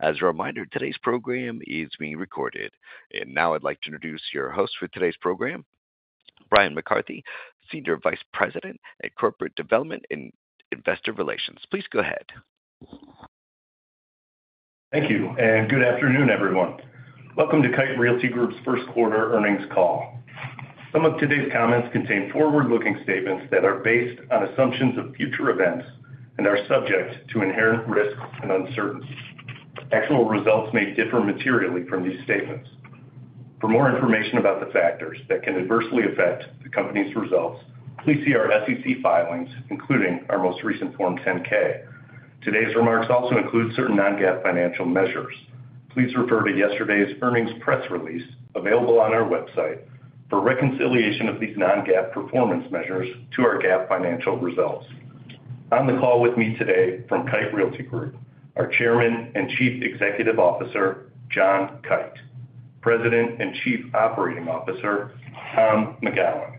As a reminder, today's program is being recorded. And now I'd like to introduce your host for today's program, Bryan McCarthy, Senior Vice President, Corporate Development and Investor Relations. Please go ahead. Thank you, and good afternoon, everyone. Welcome to Kite Realty Group's first quarter earnings call. Some of today's comments contain forward-looking statements that are based on assumptions of future events and are subject to inherent risks and uncertainties. Actual results may differ materially from these statements. For more information about the factors that can adversely affect the company's results, please see our SEC filings, including our most recent Form 10-K. Today's remarks also include certain non-GAAP financial measures. Please refer to yesterday's earnings press release, available on our website, for reconciliation of these non-GAAP performance measures to our GAAP financial results. On the call with me today from Kite Realty Group, our Chairman and Chief Executive Officer, John Kite, President and Chief Operating Officer, Tom McGowan,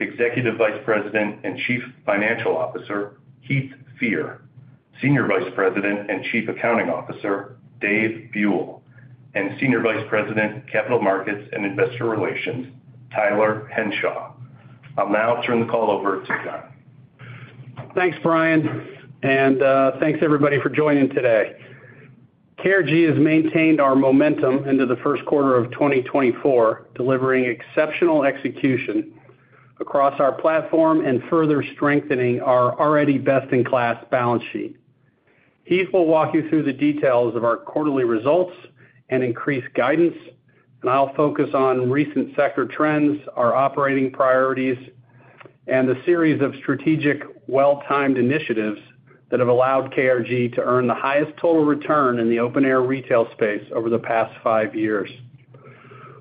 Executive Vice President and Chief Financial Officer, Heath Fear, Senior Vice President and Chief Accounting Officer, Dave Buell, and Senior Vice President, Capital Markets and Investor Relations, Tyler Henshaw. I'll now turn the call over to John. Thanks, Bryan, and thanks, everybody, for joining today. KRG has maintained our momentum into the first quarter of 2024, delivering exceptional execution across our platform and further strengthening our already best-in-class balance sheet. Heath will walk you through the details of our quarterly results and increased guidance, and I'll focus on recent sector trends, our operating priorities, and the series of strategic, well-timed initiatives that have allowed KRG to earn the highest total return in the open-air retail space over the past five years.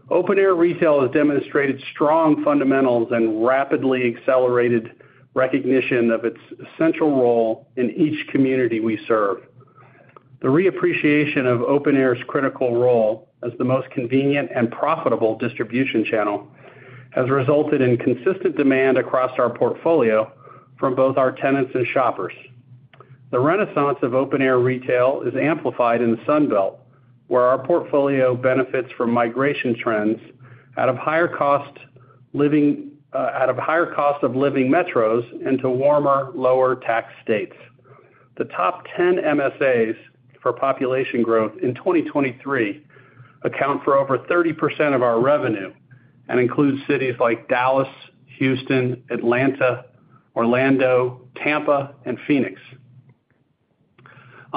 Open-air retail has demonstrated strong fundamentals and rapidly accelerated recognition of its essential role in each community we serve. The reappreciation of open-air's critical role as the most convenient and profitable distribution channel has resulted in consistent demand across our portfolio from both our tenants and shoppers. The renaissance of open-air retail is amplified in the Sun Belt, where our portfolio benefits from migration trends out of higher cost living, out of higher cost of living metros into warmer, lower-tax states. The top 10 MSAs for population growth in 2023 account for over 30% of our revenue and includes cities like Dallas, Houston, Atlanta, Orlando, Tampa, and Phoenix.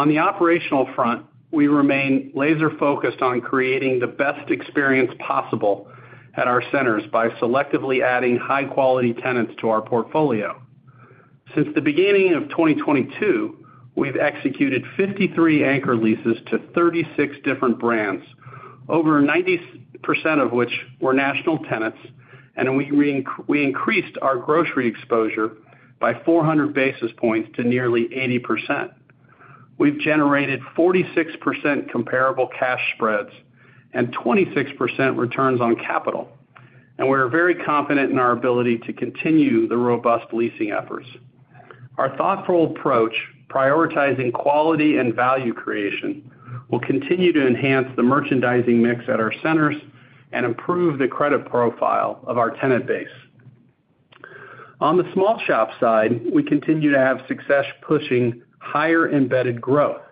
On the operational front, we remain laser-focused on creating the best experience possible at our centers by selectively adding high-quality tenants to our portfolio. Since the beginning of 2022, we've executed 53 anchor leases to 36 different brands, over 90% of which were national tenants, and we increased our grocery exposure by 400 basis points to nearly 80%. We've generated 46% comparable cash spreads and 26% returns on capital, and we're very confident in our ability to continue the robust leasing efforts. Our thoughtful approach, prioritizing quality and value creation, will continue to enhance the merchandising mix at our centers and improve the credit profile of our tenant base. On the small shop side, we continue to have success pushing higher embedded growth.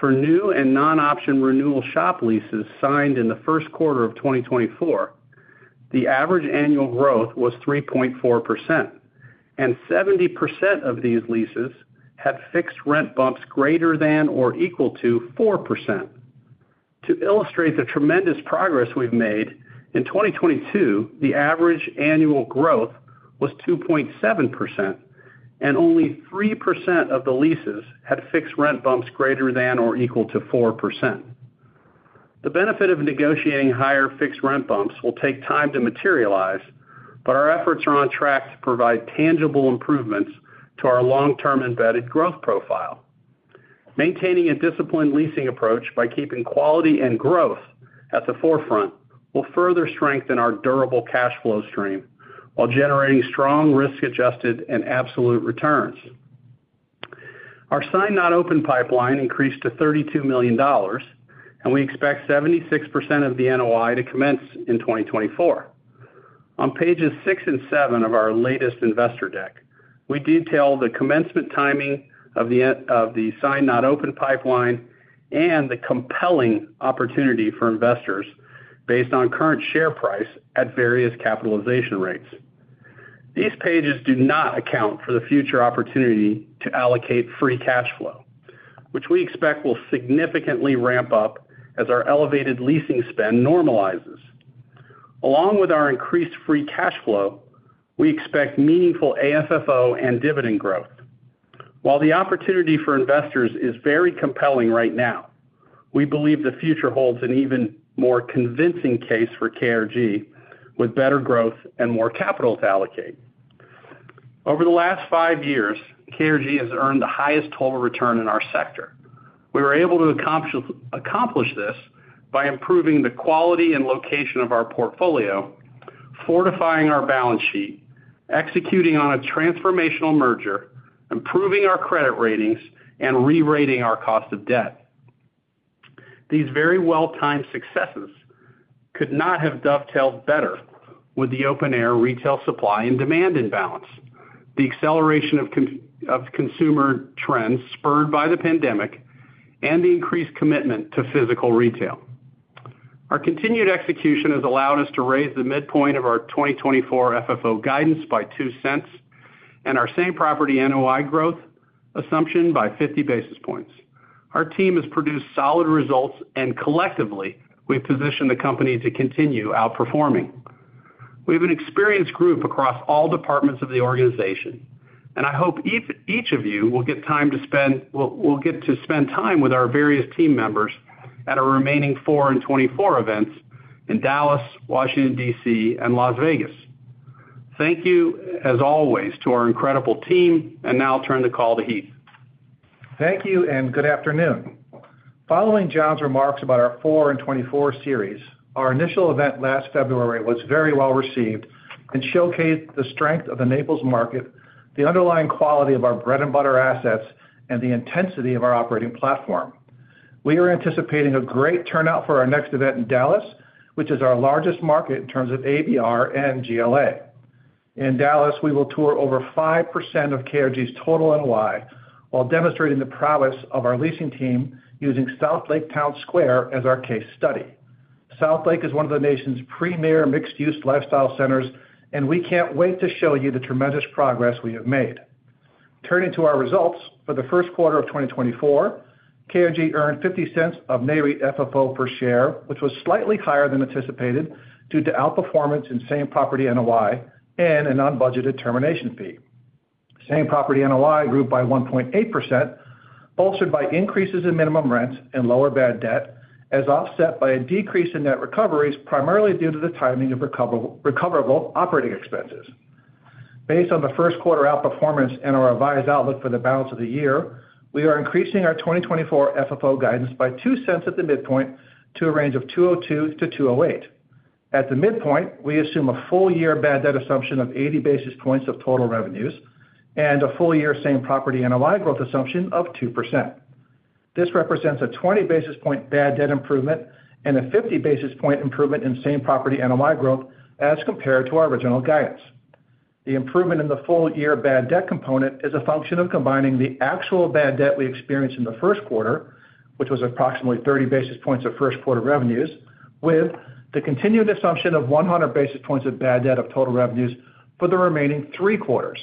For new and non-option renewal shop leases signed in the first quarter of 2024, the average annual growth was 3.4%, and 70% of these leases had fixed rent bumps greater than or equal to 4%. To illustrate the tremendous progress we've made, in 2022, the average annual growth was 2.7%, and only 3% of the leases had fixed rent bumps greater than or equal to 4%. The benefit of negotiating higher fixed rent bumps will take time to materialize, but our efforts are on track to provide tangible improvements to our long-term embedded growth profile. Maintaining a disciplined leasing approach by keeping quality and growth at the forefront will further strengthen our durable cash flow stream while generating strong risk-adjusted and absolute returns. Our signed not open pipeline increased to $32 million, and we expect 76% of the NOI to commence in 2024. On pages six and seven of our latest investor deck, we detail the commencement timing of the signed not open pipeline and the compelling opportunity for investors based on current share price at various capitalization rates. These pages do not account for the future opportunity to allocate free cash flow, which we expect will significantly ramp up as our elevated leasing spend normalizes. Along with our increased free cash flow, we expect meaningful AFFO and dividend growth. While the opportunity for investors is very compelling right now, we believe the future holds an even more convincing case for KRG, with better growth and more capital to allocate. Over the last five years, KRG has earned the highest total return in our sector. We were able to accomplish this by improving the quality and location of our portfolio, fortifying our balance sheet, executing on a transformational merger, improving our credit ratings, and rerating our cost of debt. These very well-timed successes could not have dovetailed better with the open-air retail supply and demand imbalance, the acceleration of consumer trends spurred by the pandemic, and the increased commitment to physical retail. Our continued execution has allowed us to raise the midpoint of our 2024 FFO guidance by $0.02 and our same-property NOI growth assumption by 50 basis points. Our team has produced solid results, and collectively, we've positioned the company to continue outperforming. We have an experienced group across all departments of the organization, and I hope each of you will get to spend time with our various team members at our remaining Four in 24 events in Dallas, Washington, D.C., and Las Vegas. Thank you, as always, to our incredible team. And now I'll turn the call to Heath. Thank you, and good afternoon. Following John's remarks about our Four in 24 series, our initial event last February was very well received and showcased the strength of the Naples market, the underlying quality of our bread-and-butter assets, and the intensity of our operating platform. We are anticipating a great turnout for our next event in Dallas, which is our largest market in terms of ABR and GLA. In Dallas, we will tour over 5% of KRG's total NOI, while demonstrating the prowess of our leasing team using Southlake Town Square as our case study. Southlake is one of the nation's premier mixed-use lifestyle centers, and we can't wait to show you the tremendous progress we have made. Turning to our results, for the first quarter of 2024, KRG earned $0.50 of NAREIT FFO per share, which was slightly higher than anticipated due to outperformance in same-property NOI and an unbudgeted termination fee. Same-property NOI grew by 1.8%, bolstered by increases in minimum rents and lower bad debt, as offset by a decrease in net recoveries, primarily due to the timing of recoverable operating expenses. Based on the first quarter outperformance and our revised outlook for the balance of the year, we are increasing our 2024 FFO guidance by $0.02 at the midpoint to a range of $2.02 to $2.08. At the midpoint, we assume a full-year bad debt assumption of 80 basis points of total revenues and a full-year same-property NOI growth assumption of 2%. This represents a 20 basis points bad debt improvement and a 50 basis points improvement in same-property NOI growth as compared to our original guidance. The improvement in the full-year bad debt component is a function of combining the actual bad debt we experienced in the first quarter, which was approximately 30 basis points of first quarter revenues, with the continued assumption of 100 basis points of bad debt of total revenues for the remaining three quarters.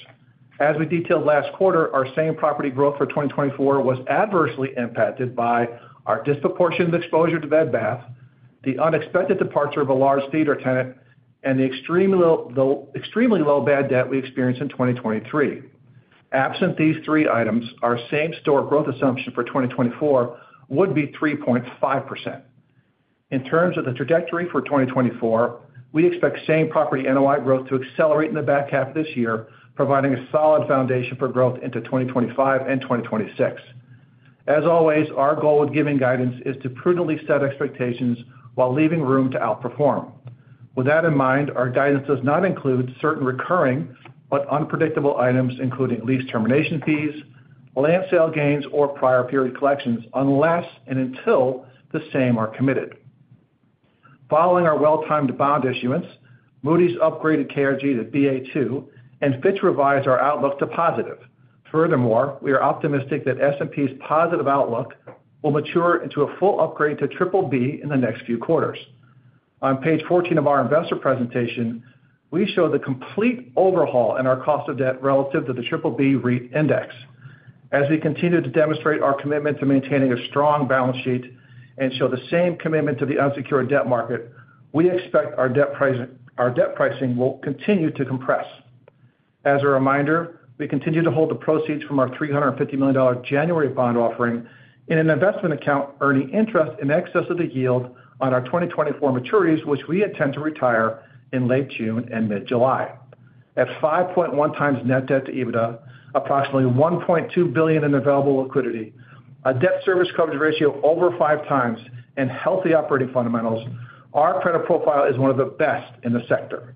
As we detailed last quarter, our same-property growth for 2024 was adversely impacted by our disproportionate exposure to Bed Bath, the unexpected departure of a large theater tenant, and the extremely low bad debt we experienced in 2023. Absent these three items, our same-store growth assumption for 2024 would be 3.5%. In terms of the trajectory for 2024, we expect same-property NOI growth to accelerate in the back half of this year, providing a solid foundation for growth into 2025 and 2026. As always, our goal with giving guidance is to prudently set expectations while leaving room to outperform. With that in mind, our guidance does not include certain recurring but unpredictable items, including lease termination fees, land sale gains, or prior period collections, unless and until the same are committed. Following our well-timed bond issuance, Moody's upgraded KRG to Baa2, and Fitch revised our outlook to positive. Furthermore, we are optimistic that S&P's positive outlook will mature into a full upgrade to BBB in the next few quarters. On page 14 of our investor presentation, we show the complete overhaul in our cost of debt relative to the BBB REIT index. As we continue to demonstrate our commitment to maintaining a strong balance sheet and show the same commitment to the unsecured debt market, we expect our debt pricing, our debt pricing will continue to compress. As a reminder, we continue to hold the proceeds from our $350 million January bond offering in an investment account, earning interest in excess of the yield on our 2024 maturities, which we intend to retire in late June and mid-July. At 5.1x net debt to EBITDA, approximately $1.2 billion in available liquidity, a debt service coverage ratio over 5 times, and healthy operating fundamentals, our credit profile is one of the best in the sector.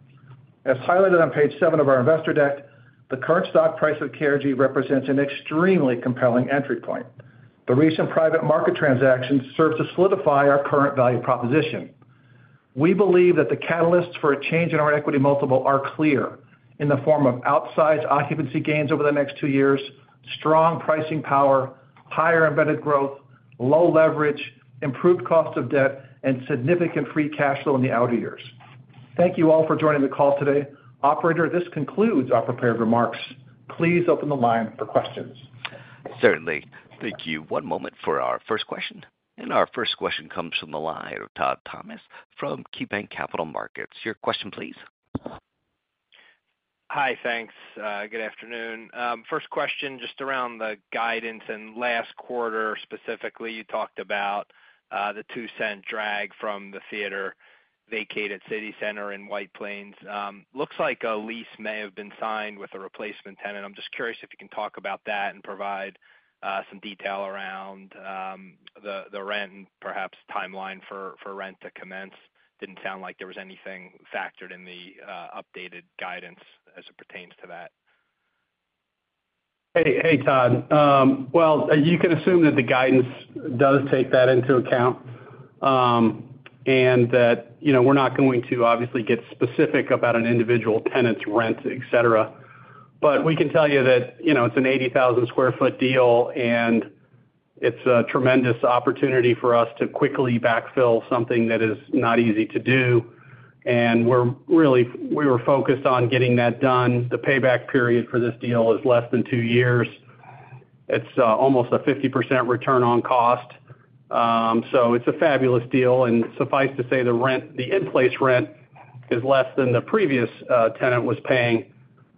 As highlighted on page seven of our investor deck, the current stock price of KRG represents an extremely compelling entry point. The recent private market transactions serve to solidify our current value proposition. We believe that the catalysts for a change in our equity multiple are clear in the form of outsized occupancy gains over the next two years, strong pricing power, higher embedded growth, low leverage, improved cost of debt, and significant free cash flow in the outer years. Thank you all for joining the call today. Operator, this concludes our prepared remarks. Please open the line for questions. Certainly. Thank you. One moment for our first question. Our first question comes from the line of Todd Thomas from KeyBanc Capital Markets. Your question, please. Hi, thanks. Good afternoon. First question, just around the guidance, and last quarter, specifically, you talked about the $0.02 drag from the theater vacated City Center in White Plains. Looks like a lease may have been signed with a replacement tenant. I'm just curious if you can talk about that and provide some detail around the rent and perhaps timeline for rent to commence. Didn't sound like there was anything factored in the updated guidance as it pertains to that? Hey, hey, Todd. Well, you can assume that the guidance does take that into account, and that, you know, we're not going to obviously get specific about an individual tenant's rent, et cetera. But we can tell you that, you know, it's an 80,000 sq ft deal, and it's a tremendous opportunity for us to quickly backfill something that is not easy to do. And we're really, we were focused on getting that done. The payback period for this deal is less than two years. It's, almost a 50% return on cost. So it's a fabulous deal, and suffice to say, the rent, the in-place rent is less than the previous, tenant was paying.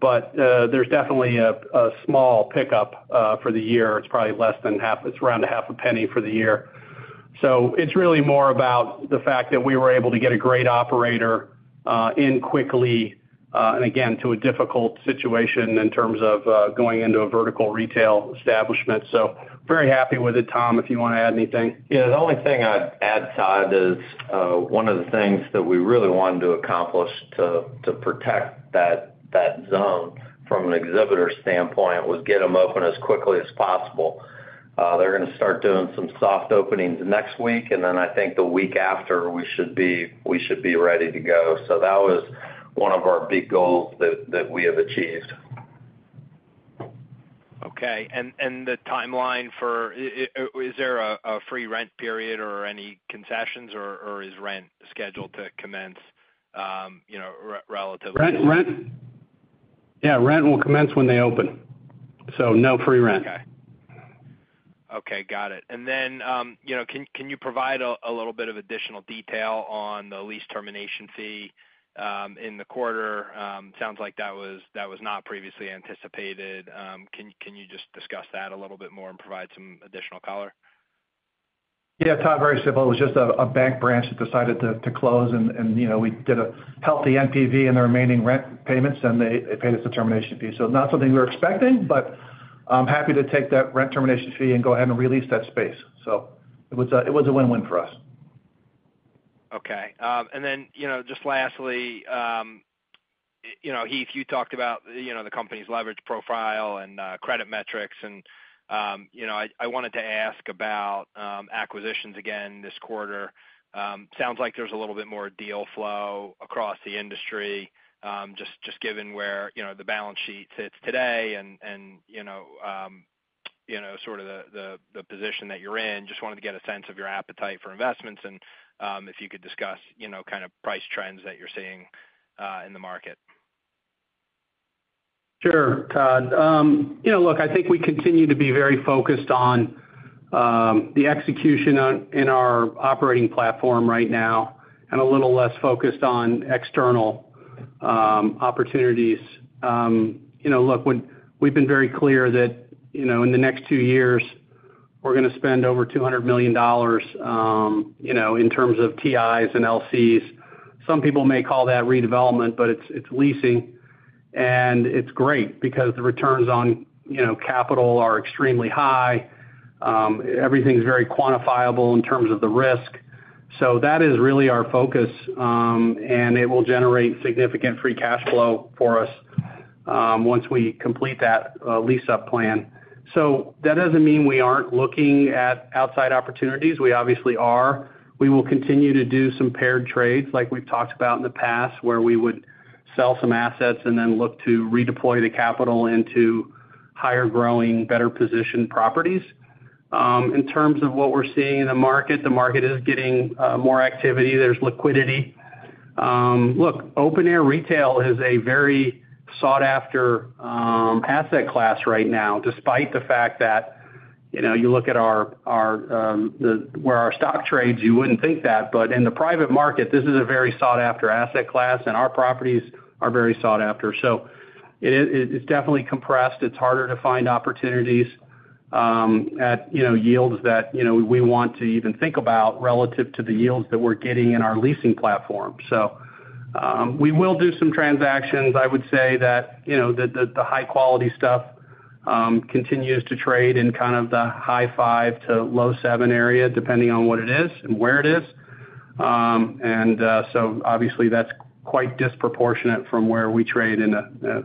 But, there's definitely a small pickup, for the year. It's probably less than half. It's around a half a penny for the year. So it's really more about the fact that we were able to get a great operator in quickly, and again, to a difficult situation in terms of going into a vertical retail establishment. So very happy with it. Tom, if you want to add anything? Yeah, the only thing I'd add, Todd, is one of the things that we really wanted to accomplish to protect that zone from an exhibitor standpoint was get them open as quickly as possible. They're gonna start doing some soft openings next week, and then I think the week after, we should be ready to go. So that was one of our big goals that we have achieved. Okay. And the timeline for, is there a free rent period or any concessions, or is rent scheduled to commence, you know, relatively? Rent, rent. Yeah, rent will commence when they open, so no free rent. Okay. Okay, got it. And then, you know, can you provide a little bit of additional detail on the lease termination fee in the quarter? Sounds like that was not previously anticipated. Can you just discuss that a little bit more and provide some additional color? Yeah, Todd, very simple. It was just a bank branch that decided to close, and, you know, we did a healthy NPV in the remaining rent payments, and they paid us a termination fee. So not something we were expecting, but I'm happy to take that rent termination fee and go ahead and re-lease that space. So it was a win-win for us. Okay. And then, you know, just lastly, you know, Heath, you talked about, you know, the company's leverage profile and credit metrics, and, you know, I wanted to ask about acquisitions again this quarter. Sounds like there's a little bit more deal flow across the industry. Just given where, you know, the balance sheet sits today and, you know, sort of the position that you're in, just wanted to get a sense of your appetite for investments and, if you could discuss, you know, kind of price trends that you're seeing in the market. Sure, Todd. You know, look, I think we continue to be very focused on the execution on in our operating platform right now and a little less focused on external opportunities. You know, look, when we've been very clear that, you know, in the next two years, we're gonna spend over $200 million in terms of TIs and LCs. Some people may call that redevelopment, but it's leasing, and it's great because the returns on capital are extremely high. Everything's very quantifiable in terms of the risk. So that is really our focus, and it will generate significant free cash flow for us once we complete that lease-up plan. So that doesn't mean we aren't looking at outside opportunities. We obviously are. We will continue to do some paired trades like we've talked about in the past, where we would sell some assets and then look to redeploy the capital into higher growing, better positioned properties. In terms of what we're seeing in the market, the market is getting more activity. There's liquidity. Look, open-air retail is a very sought after asset class right now, despite the fact that, you know, you look at our, where our stock trades, you wouldn't think that. But in the private market, this is a very sought after asset class, and our properties are very sought after. So it is, it's definitely compressed. It's harder to find opportunities at yields that, you know, we want to even think about relative to the yields that we're getting in our leasing platform. We will do some transactions. I would say that, you know, the high quality stuff continues to trade in kind of the high 5 to low 7 area, depending on what it is and where it is. And so obviously, that's quite disproportionate from where we trade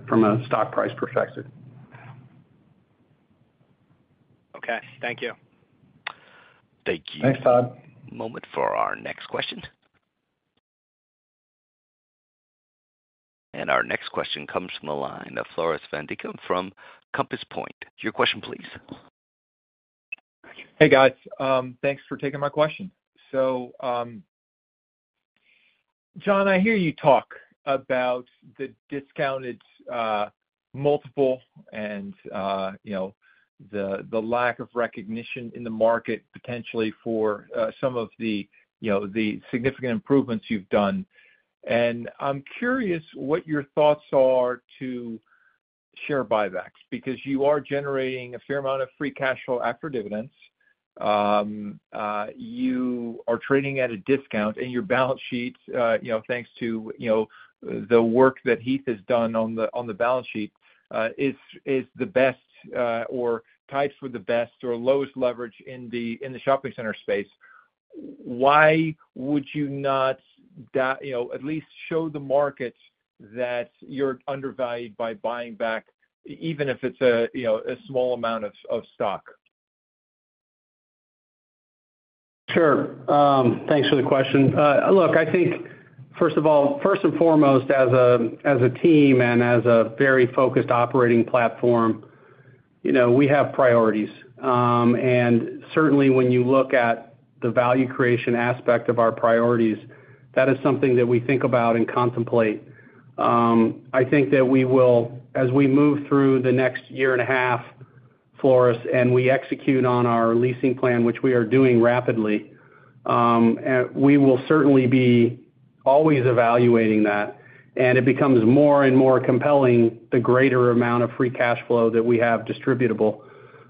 from a stock price perspective. Okay. Thank you. Thank you. Thanks, Todd. Moving on to our next question. Our next question comes from the line of Floris van Dijkum from Compass Point. Your question, please. Hey, guys. Thanks for taking my question. So, John, I hear you talk about the discounted multiple and, you know, the lack of recognition in the market, potentially for some of the, you know, the significant improvements you've done. And I'm curious what your thoughts are to share buybacks, because you are generating a fair amount of free cash flow after dividends. You are trading at a discount, and your balance sheet, you know, thanks to, you know, the work that Heath has done on the balance sheet, is the best or ties for the best or lowest leverage in the shopping center space. Why would you not, you know, at least show the market that you're undervalued by buying back, even if it's a, you know, a small amount of stock? Sure. Thanks for the question. Look, I think, first of all, first and foremost, as a team and as a very focused operating platform, you know, we have priorities. And certainly, when you look at the value creation aspect of our priorities, that is something that we think about and contemplate. I think that we will, as we move through the next year and a half, Floris, and we execute on our leasing plan, which we are doing rapidly, we will certainly be always evaluating that, and it becomes more and more compelling, the greater amount of free cash flow that we have distributable.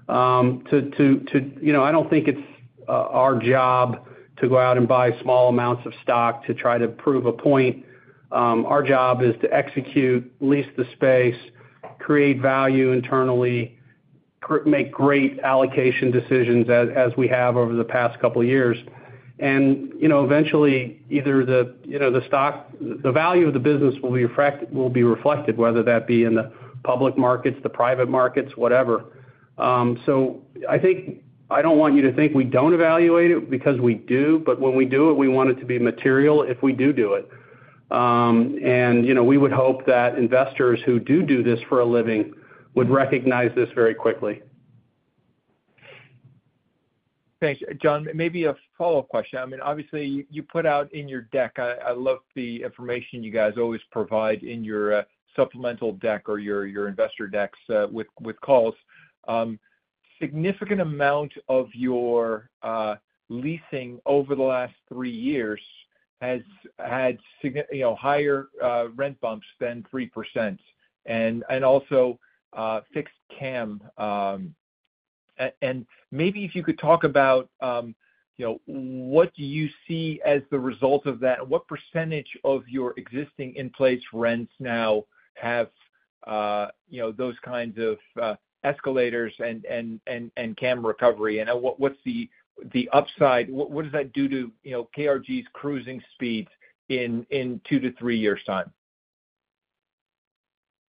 You know, I don't think it's our job to go out and buy small amounts of stock to try to prove a point. Our job is to execute, lease the space, create value internally, make great allocation decisions as we have over the past couple of years. You know, eventually, either the stock, the value of the business will be reflected, whether that be in the public markets, the private markets, whatever. So I think I don't want you to think we don't evaluate it, because we do, but when we do it, we want it to be material if we do it. And, you know, we would hope that investors who do this for a living would recognize this very quickly. Thanks. John, maybe a follow-up question. I mean, obviously, you put out in your deck. I love the information you guys always provide in your supplemental deck or your investor decks with calls. Significant amount of your leasing over the last three years has had you know higher rent bumps than 3%, and also fixed CAM. And maybe if you could talk about, you know, what do you see as the result of that? What percentage of your existing in-place rents now have, you know, those kinds of escalators and CAM recovery? And what, what's the upside? What does that do to, you know, KRG's cruising speeds in two to three years' time?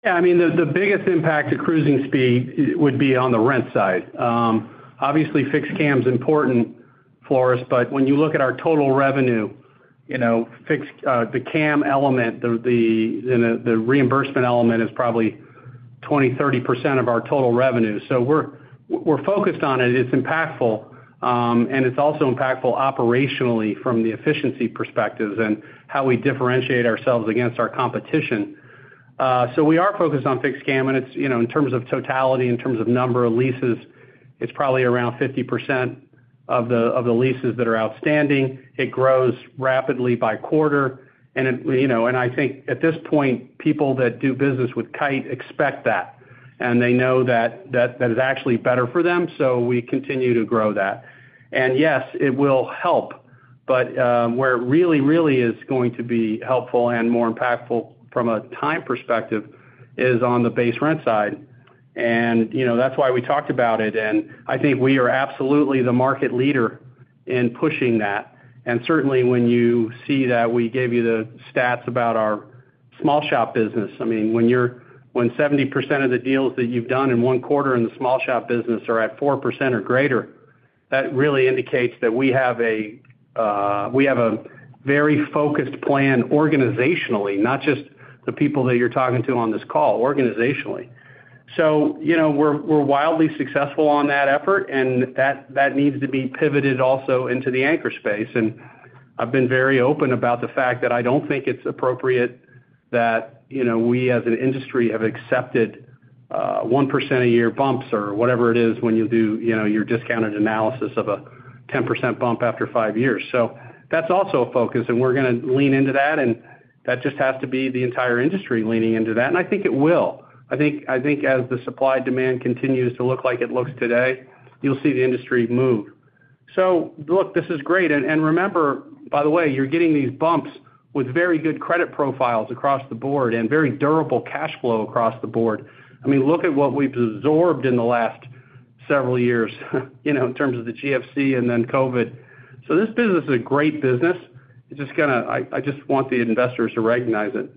Yeah, I mean, the biggest impact to cruising speed would be on the rent side. Obviously, fixed CAM's important, Floris, but when you look at our total revenue, you know, fixed the CAM element, the reimbursement element is probably 20-30% of our total revenue. So we're focused on it. It's impactful, and it's also impactful operationally from the efficiency perspectives and how we differentiate ourselves against our competition. So we are focused on fixed CAM, and it's, you know, in terms of totality, in terms of number of leases, it's probably around 50% of the leases that are outstanding. It grows rapidly by quarter, and it, you know, and I think at this point, people that do business with Kite expect that, and they know that, that is actually better for them, so we continue to grow that. And yes, it will help, but where it really, really is going to be helpful and more impactful from a time perspective, is on the base rent side. And, you know, that's why we talked about it, and I think we are absolutely the market leader in pushing that. And certainly, when you see that, we gave you the stats about our small shop business. I mean, when 70% of the deals that you've done in one quarter in the small shop business are at 4% or greater, that really indicates that we have a very focused plan organizationally, not just the people that you're talking to on this call, organizationally. So, you know, we're wildly successful on that effort, and that needs to be pivoted also into the anchor space. And I've been very open about the fact that I don't think it's appropriate that, you know, we, as an industry, have accepted 1% a year bumps or whatever it is, when you do, you know, your discounted analysis of a 10% bump after five years. So that's also a focus, and we're gonna lean into that, and that just has to be the entire industry leaning into that, and I think it will. I think, I think as the supply-demand continues to look like it looks today, you'll see the industry move. So look, this is great. And, and remember, by the way, you're getting these bumps with very good credit profiles across the board and very durable cash flow across the board. I mean, look at what we've absorbed in the last several years, you know, in terms of the GFC and then Covid. So this business is a great business. It's just kind of I, I just want the investors to recognize it.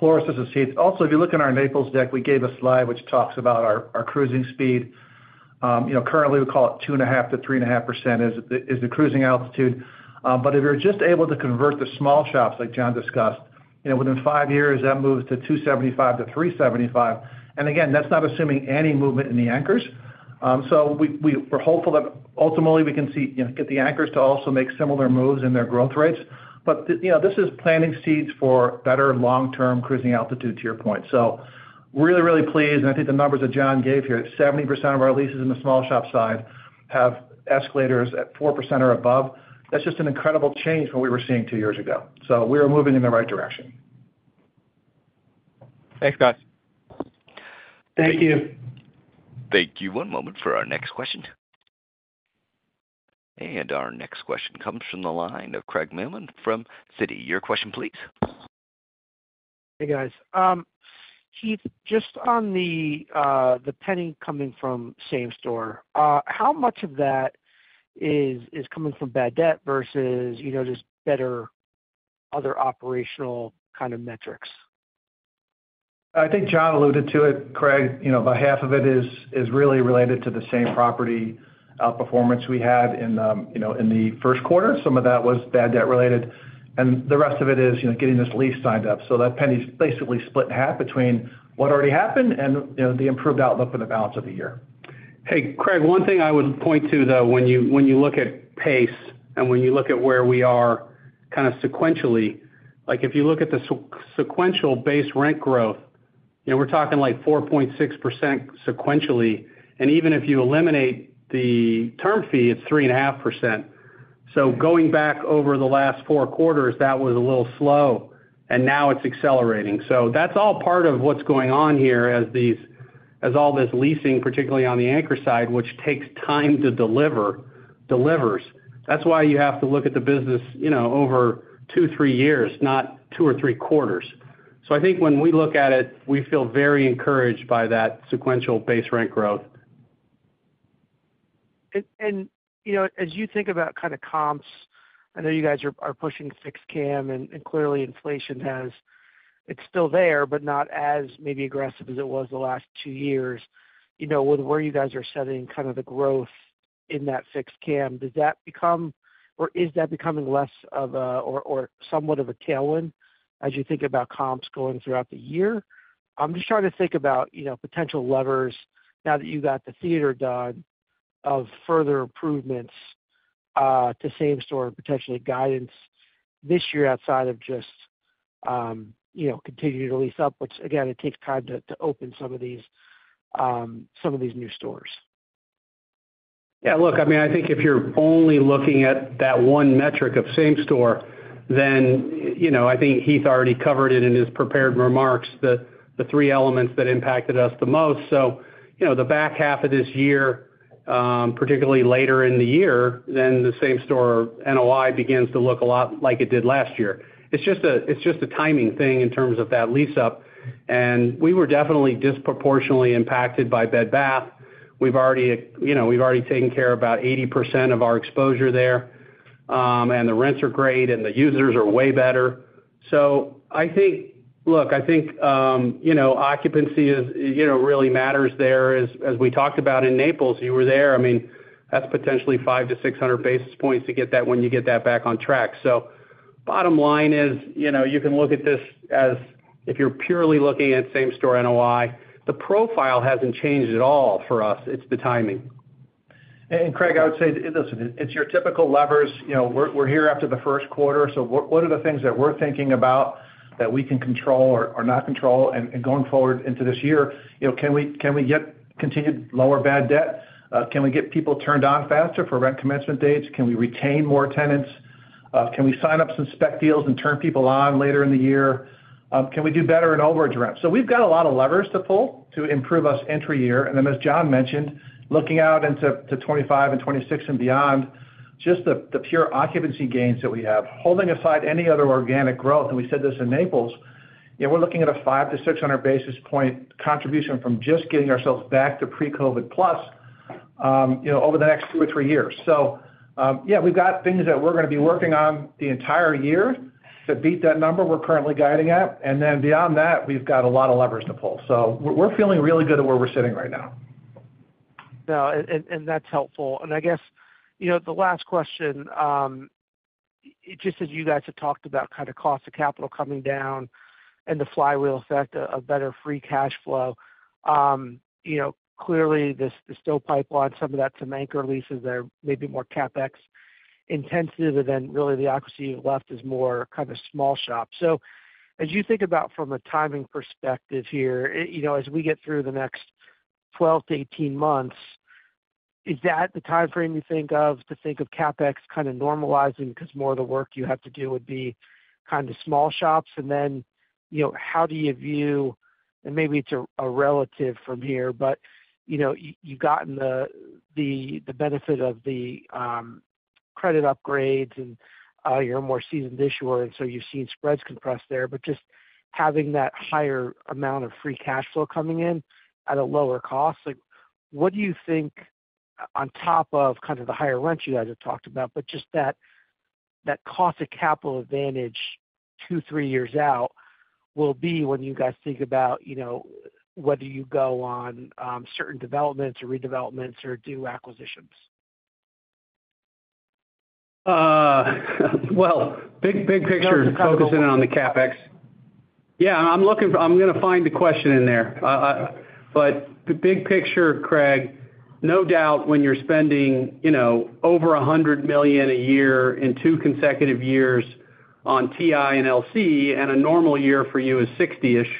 Floris, this is Heath. Also, if you look in our Naples deck, we gave a slide which talks about our cruising speed. You know, currently, we call it 2.5%-3.5% is the cruising altitude. But if you're just able to convert the small shops, like John discussed, you know, within five years, that moves to 2.75%-3.75%. And again, that's not assuming any movement in the anchors. So we're hopeful that ultimately we can see, you know, get the anchors to also make similar moves in their growth rates. But you know, this is planting seeds for better long-term cruising altitude, to your point. So, really, really pleased, and I think the numbers that John gave here, 70% of our leases in the small shop side have escalators at 4% or above. That's just an incredible change from what we were seeing two years ago. So we are moving in the right direction. Thanks, guys. Thank you. Thank you. One moment for our next question. Our next question comes from the line of Craig Mailman from Citi. Your question, please? Hey, guys. Heath, just on the penny coming from same store, how much of that is coming from bad debt versus, you know, just better other operational kind of metrics? I think John alluded to it, Craig. You know, about half of it is really related to the same property performance we had in, you know, in the first quarter. Some of that was bad debt-related, and the rest of it is, you know, getting this lease signed up. So that penny is basically split in half between what already happened and, you know, the improved outlook for the balance of the year. Hey, Craig, one thing I would point to, though, when you, when you look at pace and when you look at where we are kind of sequentially, like, if you look at the sequential base rent growth, you know, we're talking, like, 4.6% sequentially, and even if you eliminate the term fee, it's 3.5%. So going back over the last four quarters, that was a little slow, and now it's accelerating. So that's all part of what's going on here as these, as all this leasing, particularly on the anchor side, which takes time to deliver, delivers. That's why you have to look at the business, you know, over two, three years, not two or three quarters. So I think when we look at it, we feel very encouraged by that sequential base rent growth. You know, as you think about kind of comps, I know you guys are pushing fixed CAM, and clearly inflation has. It's still there, but not as maybe aggressive as it was the last two years. You know, with where you guys are setting kind of the growth in that fixed CAM, does that become or is that becoming less of a, or somewhat of a tailwind as you think about comps going throughout the year? I'm just trying to think about, you know, potential levers now that you got the theater done, of further improvements to same store and potentially guidance this year, outside of just, you know, continuing to lease up, which again, it takes time to open some of these new stores. Yeah, look, I mean, I think if you're only looking at that one metric of same store, then, you know, I think Heath already covered it in his prepared remarks, the three elements that impacted us the most. So, you know, the back half of this year, particularly later in the year, then the same store NOI begins to look a lot like it did last year. It's just a timing thing in terms of that lease up, and we were definitely disproportionately impacted by Bed Bath. We've already, you know, we've already taken care of about 80% of our exposure there, and the rents are great, and the users are way better. So I think look, I think, you know, occupancy is, you know, really matters there. As we talked about in Naples, you were there, I mean, that's potentially 500-600 basis points to get that when you get that back on track. So bottom line is, you know, you can look at this as if you're purely looking at same store NOI. The profile hasn't changed at all for us. It's the timing. Craig, I would say, listen, it's your typical levers. You know, we're here after the first quarter, so what are the things that we're thinking about that we can control or not control? And going forward into this year, you know, can we get continued lower bad debt? Can we get people turned on faster for rent commencement dates? Can we retain more tenants? Can we sign up some spec deals and turn people on later in the year? Can we do better in overage rent? So we've got a lot of levers to pull to improve our entry year. Then, as John mentioned, looking out into 2025 and 2026 and beyond, just the pure occupancy gains that we have, holding aside any other organic growth, and we said this in Naples, you know, we're looking at a 500-600 basis point contribution from just getting ourselves back to pre-COVID plus, you know, over the next two or three years. So, yeah, we've got things that we're going to be working on the entire year to beat that number we're currently guiding at. And then beyond that, we've got a lot of levers to pull. So we're feeling really good at where we're sitting right now. No, that's helpful. I guess, you know, the last question, just as you guys have talked about kind of cost of capital coming down and the flywheel effect of better free cash flow, you know, clearly, there's still pipeline, some of that's some anchor leases there, maybe more CapEx intensive, and then really the occupancy left is more kind of small shop. So as you think about from a timing perspective here, you know, as we get through the next 12-18 months, is that the time frame you think of to think of CapEx kind of normalizing because more of the work you have to do would be kind of small shops? And then, you know, how do you view, and maybe it's a relative from here, but, you know, you, you've gotten the, the, the benefit of the credit upgrades, and you're a more seasoned issuer, and so you've seen spreads compress there. But just having that higher amount of free cash flow coming in at a lower cost, like, what do you think on top of kind of the higher rents you guys have talked about, but just that, that cost of capital advantage two, three years out will be when you guys think about, you know, whether you go on certain developments or redevelopments or do acquisitions? Well, big, big picture, focusing on the CapEx. Yeah, I'm looking for. I'm going to find the question in there. But the big picture, Craig, no doubt, when you're spending, you know, over $100 million a year in two consecutive years on TI and LC, and a normal year for you is 60-ish,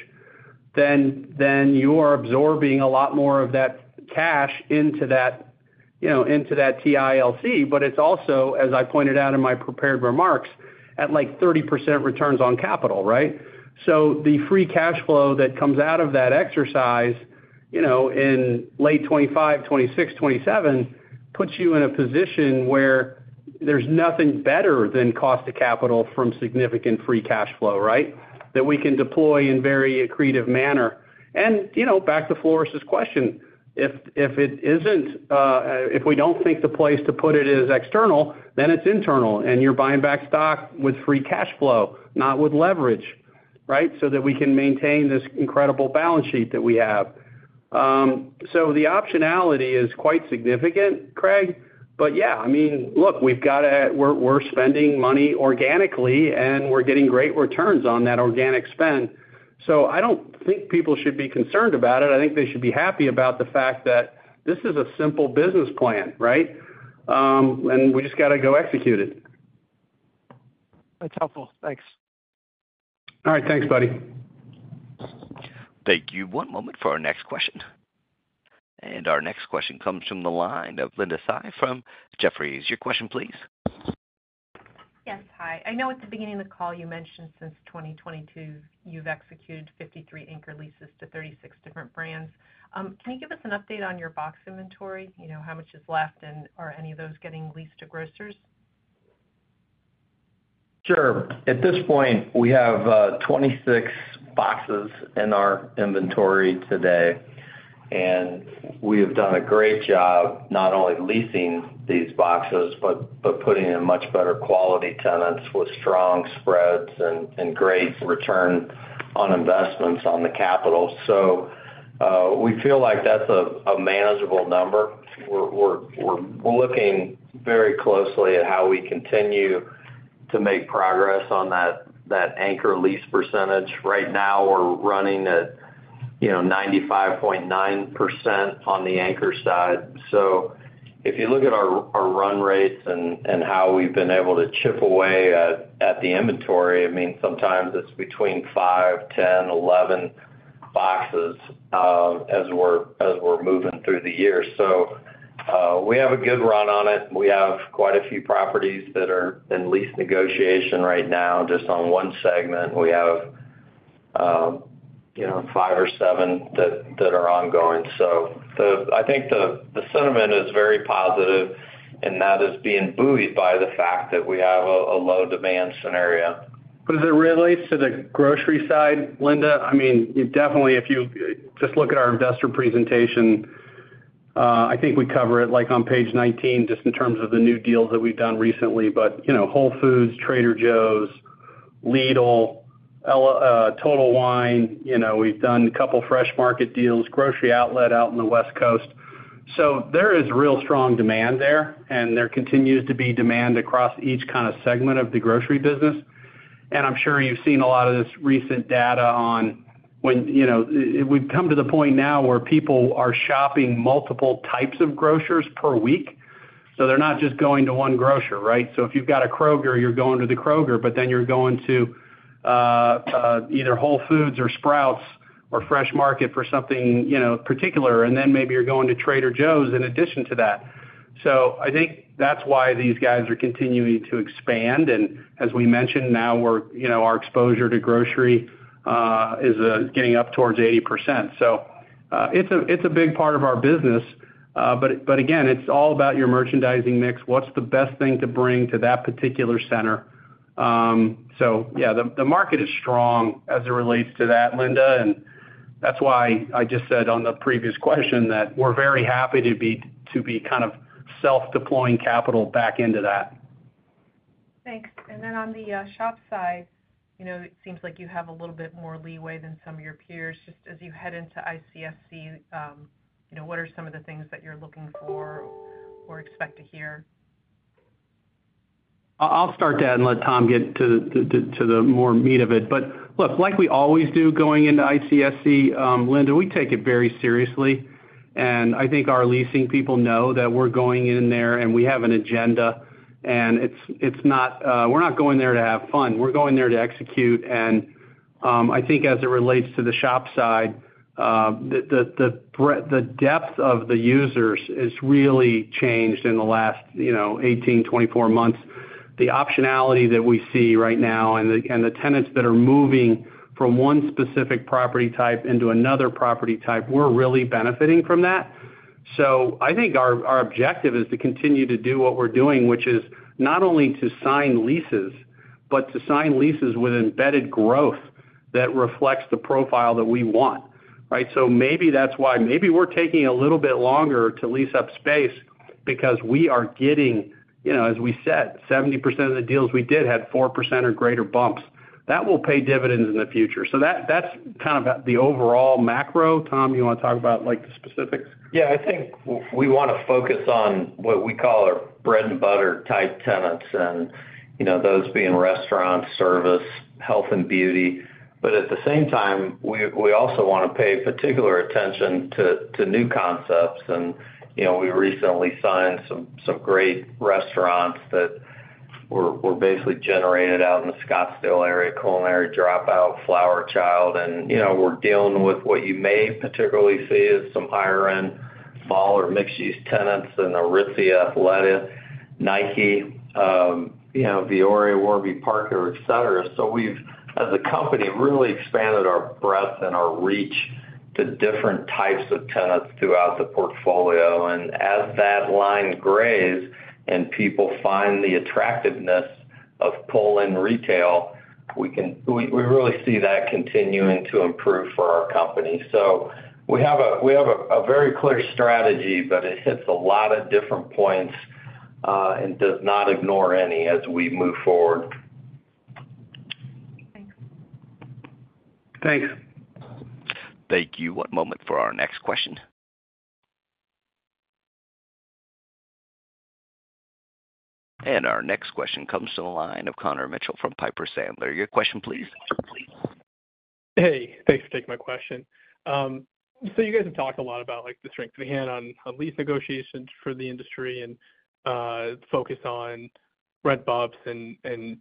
then, then you are absorbing a lot more of that cash into that, you know, into that TI LC. But it's also, as I pointed out in my prepared remarks, at, like, 30% returns on capital, right? So the free cash flow that comes out of that exercise, you know, in late 2025, 2026, 2027, puts you in a position where there's nothing better than cost of capital from significant free cash flow, right? That we can deploy in very accretive manner. And, you know, back to Floris's question, if it isn't, if we don't think the place to put it is external, then it's internal, and you're buying back stock with free cash flow, not with leverage, right? So that we can maintain this incredible balance sheet that we have. So the optionality is quite significant, Craig, but yeah, I mean, look, we've got to, we're spending money organically, and we're getting great returns on that organic spend. So I don't think people should be concerned about it. I think they should be happy about the fact that this is a simple business plan, right? And we just got to go execute it. That's helpful. Thanks. All right. Thanks, buddy. Thank you. One moment for our next question. Our next question comes from the line of Linda Tsai from Jefferies. Your question, please. Yes, hi. I know at the beginning of the call, you mentioned since 2022, you've executed 53 anchor leases to 36 different brands. Can you give us an update on your box inventory? You know, how much is left, and are any of those getting leased to grocers? Sure. At this point, we have 26 boxes in our inventory today, and we have done a great job not only leasing these boxes, but putting in much better quality tenants with strong spreads and great return on investments on the capital. So, we feel like that's a manageable number. We're looking very closely at how we continue to make progress on that anchor lease percentage. Right now, we're running at, you know, 95.9% on the anchor side. So if you look at our run rates and how we've been able to chip away at the inventory, I mean, sometimes it's between five, 10, 11 boxes, as we're moving through the year. So, we have a good run on it. We have quite a few properties that are in lease negotiation right now. Just on one segment, we have, you know, five or seven that are ongoing. So, I think the sentiment is very positive, and that is being buoyed by the fact that we have a low demand scenario. But as it relates to the grocery side, Linda, I mean, definitely, if you just look at our investor presentation, I think we cover it, like, on page 19, just in terms of the new deals that we've done recently. But, you know, Whole Foods, Trader Joe's, Lidl, Total Wine, you know, we've done a couple Fresh Market deals, Grocery Outlet out in the West Coast. So there is real strong demand there, and there continues to be demand across each kind of segment of the grocery business. And I'm sure you've seen a lot of this recent data on when, you know, we've come to the point now where people are shopping multiple types of grocers per week, so they're not just going to one grocer, right? So if you've got a Kroger, you're going to the Kroger, but then you're going to either Whole Foods or Sprouts or Fresh Market for something, you know, particular, and then maybe you're going to Trader Joe's in addition to that. So I think that's why these guys are continuing to expand, and as we mentioned, now we're, you know, our exposure to grocery is getting up towards 80%. So it's a big part of our business, but again, it's all about your merchandising mix. What's the best thing to bring to that particular center? So yeah, the market is strong as it relates to that, Linda, and that's why I just said on the previous question that we're very happy to be kind of self-deploying capital back into that. Thanks. And then on the shop side, you know, it seems like you have a little bit more leeway than some of your peers. Just as you head into ICSC, you know, what are some of the things that you're looking for or expect to hear? I'll start that and let Tom get to the more meat of it. But look, like we always do, going into ICSC, Linda, we take it very seriously, and I think our leasing people know that we're going in there, and we have an agenda, and it's not, we're not going there to have fun. We're going there to execute. And, I think as it relates to the shop side, the breadth, the depth of the users has really changed in the last, you know, 18, 24 months. The optionality that we see right now and the tenants that are moving from one specific property type into another property type, we're really benefiting from that? So I think our objective is to continue to do what we're doing, which is not only to sign leases, but to sign leases with embedded growth that reflects the profile that we want, right? So maybe that's why maybe we're taking a little bit longer to lease up space because we are getting, you know, as we said, 70% of the deals we did had 4% or greater bumps. That will pay dividends in the future. So that's kind of the overall macro. Tom, you want to talk about, like, the specifics? Yeah, I think we want to focus on what we call our bread-and-butter type tenants, and, you know, those being restaurants, service, health and beauty. But at the same time, we also want to pay particular attention to new concepts. And, you know, we recently signed some great restaurants that were basically generated out in the Scottsdale area, Culinary Dropout, Flower Child. And, you know, we're dealing with what you may particularly see as some higher-end, smaller mixed-use tenants in Aritzia, Athleta, Nike, you know, Vuori, Warby Parker, et cetera. So we've, as a company, really expanded our breadth and our reach to different types of tenants throughout the portfolio. And as that line blurs and people find the attractiveness of planned retail, we really see that continuing to improve for our company. So we have a very clear strategy, but it hits a lot of different points and does not ignore any as we move forward. Thanks. Thank you. One moment for our next question. Our next question comes from the line of Connor Mitchell from Piper Sandler. Your question, please. Hey, thanks for taking my question. So you guys have talked a lot about, like, the strength you had on lease negotiations for the industry and focus on rent bumps and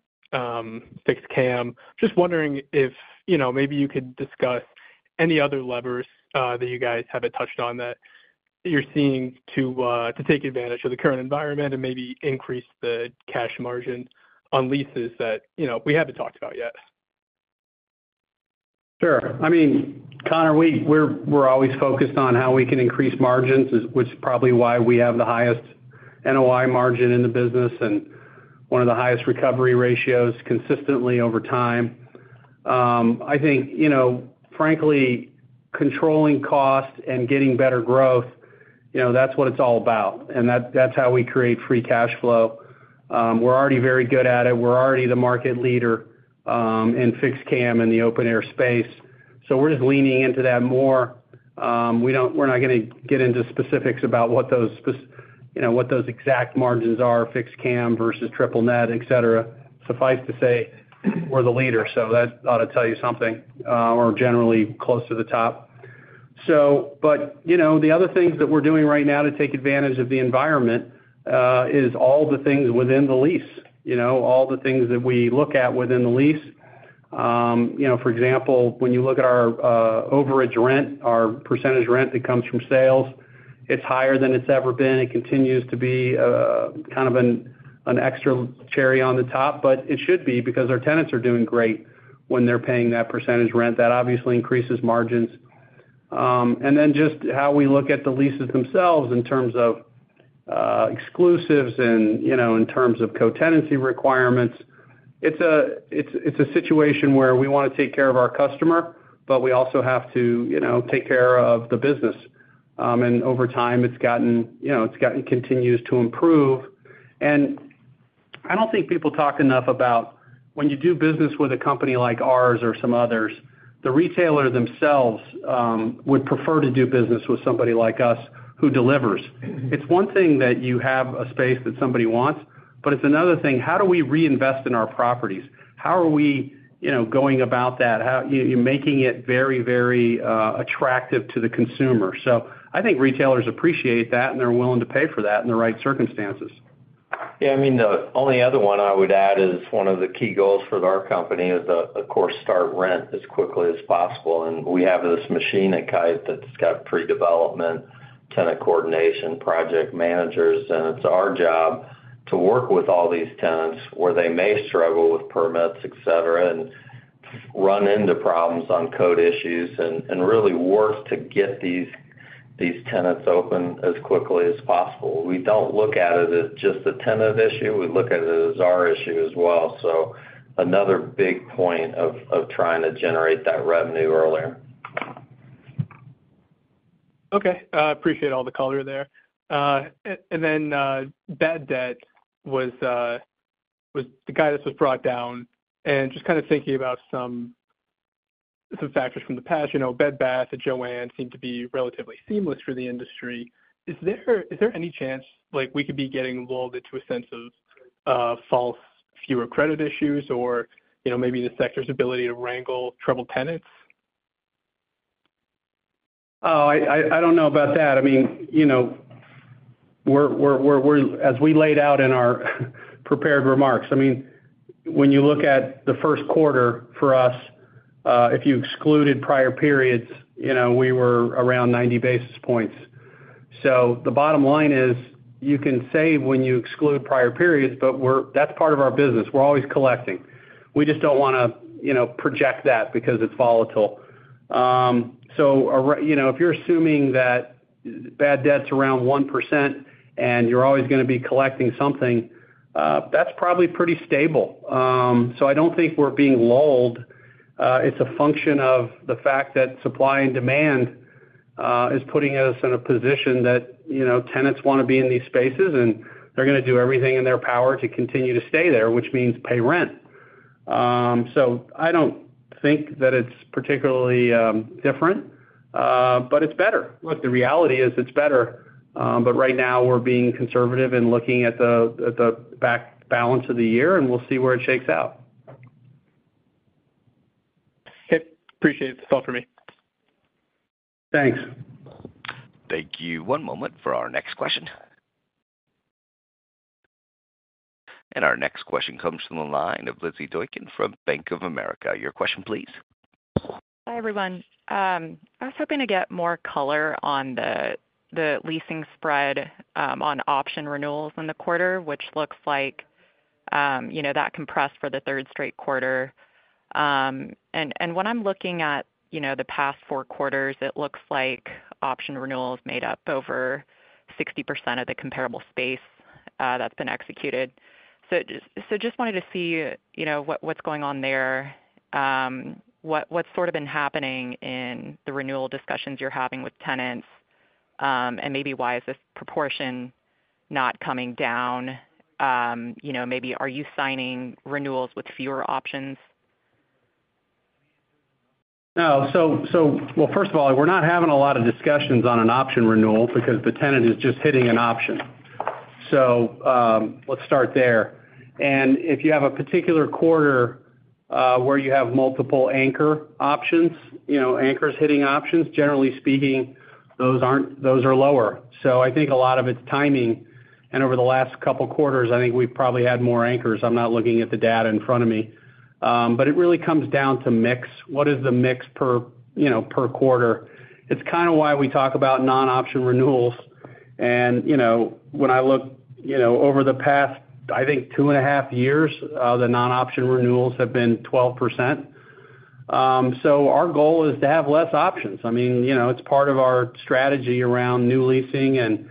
fixed CAM. Just wondering if, you know, maybe you could discuss any other levers that you guys haven't touched on, that you're seeing to take advantage of the current environment and maybe increase the cash margin on leases that, you know, we haven't talked about yet? Sure. I mean, Connor, we're always focused on how we can increase margins, which is probably why we have the highest NOI margin in the business and one of the highest recovery ratios consistently over time. I think, you know, frankly, controlling costs and getting better growth, you know, that's what it's all about, and that's how we create free cash flow. We're already very good at it. We're already the market leader in fixed CAM in the open air space, so we're just leaning into that more. We're not gonna get into specifics about what those you know, what those exact margins are, fixed CAM versus triple net, et cetera. Suffice to say, we're the leader, so that ought to tell you something, or generally close to the top. So, but you know, the other things that we're doing right now to take advantage of the environment is all the things within the lease, you know, all the things that we look at within the lease. You know, for example, when you look at our overage rent, our percentage rent that comes from sales, it's higher than it's ever been. It continues to be kind of an extra cherry on the top, but it should be because our tenants are doing great when they're paying that percentage rent. That obviously increases margins. And then just how we look at the leases themselves in terms of exclusives and, you know, in terms of co-tenancy requirements, it's a situation where we wanna take care of our customer, but we also have to, you know, take care of the business. Over time, it's gotten, you know, continues to improve. I don't think people talk enough about when you do business with a company like ours or some others, the retailer themselves would prefer to do business with somebody like us who delivers. It's one thing that you have a space that somebody wants, but it's another thing, how do we reinvest in our properties? How are we, you know, going about that? How you making it very, very attractive to the consumer. So I think retailers appreciate that, and they're willing to pay for that in the right circumstances. Yeah, I mean, the only other one I would add is one of the key goals for our company is, of course, start rent as quickly as possible. We have this machine at Kite that's got pre-development, tenant coordination, project managers, and it's our job to work with all these tenants where they may struggle with permits, et cetera, and run into problems on code issues and really work to get these tenants open as quickly as possible. We don't look at it as just a tenant issue. We look at it as our issue as well. Another big point of trying to generate that revenue earlier. Okay. Appreciate all the color there. And then, bad debt was the guidance was brought down. And just kind of thinking about some factors from the past, you know, Bed Bath and Jo-Ann seem to be relatively seamless for the industry. Is there any chance, like, we could be getting lulled into a sense of false fewer credit issues or, you know, maybe the sector's ability to wrangle troubled tenants? Oh, I don't know about that. I mean, you know, we're as we laid out in our prepared remarks, I mean, when you look at the first quarter for us, if you excluded prior periods, you know, we were around 90 basis points. So the bottom line is, you can say when you exclude prior periods, but that's part of our business. We're always collecting. We just don't wanna, you know, project that because it's volatile. So you know, if you're assuming that bad debt's around 1%, and you're always gonna be collecting something, that's probably pretty stable. So I don't think we're being lulled. It's a function of the fact that supply and demand is putting us in a position that, you know, tenants wanna be in these spaces, and they're gonna do everything in their power to continue to stay there, which means pay rent. So I don't think that it's particularly different, but it's better. Look, the reality is it's better, but right now we're being conservative and looking at the back half of the year, and we'll see where it shakes out. Okay. Appreciate it. That's all for me. Thanks. Thank you. One moment for our next question. Our next question comes from the line of Lizzy Doykan from Bank of America. Your question, please? Hi, everyone. I was hoping to get more color on the leasing spread on option renewals in the quarter, which looks like, you know, that compressed for the third straight quarter. And when I'm looking at, you know, the past four quarters, it looks like option renewals made up over 60% of the comparable space that's been executed. So just wanted to see, you know, what what's going on there, what what's sort of been happening in the renewal discussions you're having with tenants, and maybe why is this proportion not coming down? You know, maybe are you signing renewals with fewer options? No. So, well, first of all, we're not having a lot of discussions on an option renewal because the tenant is just hitting an option. So, let's start there. And if you have a particular quarter, where you have multiple anchor options, you know, anchors hitting options, generally speaking, those aren't, those are lower. So I think a lot of it's timing, and over the last couple of quarters, I think we've probably had more anchors. I'm not looking at the data in front of me. But it really comes down to mix. What is the mix per, you know, per quarter? It's kind of why we talk about non-option renewals. And, you know, when I look, you know, over the past, I think, two and a half years, the non-option renewals have been 12%. So our goal is to have less options. I mean, you know, it's part of our strategy around new leasing and,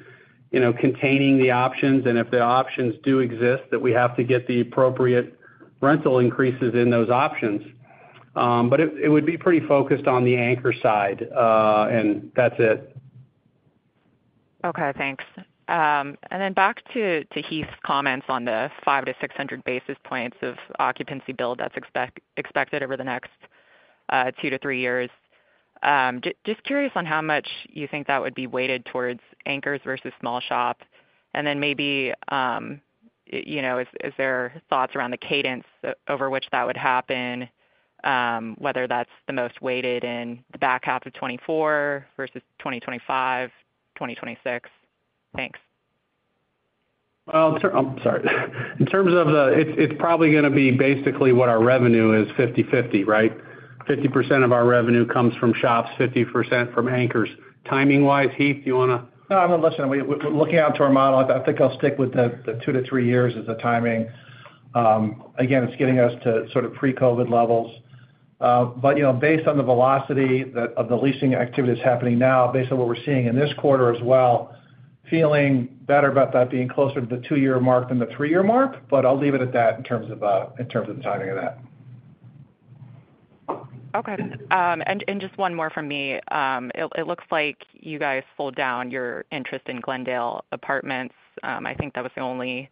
you know, containing the options, and if the options do exist, that we have to get the appropriate rental increases in those options. But it would be pretty focused on the anchor side, and that's it. Okay, thanks. And then back to Heath's comments on the 500-600 basis points of occupancy build that's expected over the next 2-3 years. Just curious on how much you think that would be weighted towards anchors versus small shops, and then maybe, you know, is there thoughts around the cadence over which that would happen, whether that's the most weighted in the back half of 2024 versus 2025, 2026? Thanks. Well, I'm sorry. In terms of the, it's, it's probably gonna be basically what our revenue is, 50/50, right? 50% of our revenue comes from shops, 50% from anchors. Timing-wise, Heath, do you wanna? No, I mean, listen, we we're looking out to our model, I think I'll stick with the two-three years as a timing. Again, it's getting us to sort of pre-COVID levels. But, you know, based on the velocity that of the leasing activity that's happening now, based on what we're seeing in this quarter as well, feeling better about that being closer to the two-year mark than the three-year mark, but I'll leave it at that in terms of in terms of the timing of that. Okay. And just one more from me. It looks like you guys pulled down your interest in Glendale Apartments. I think that was the only